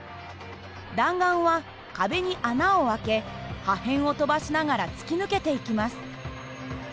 弾丸は壁に穴を開け破片を飛ばしながら突き抜けていきます。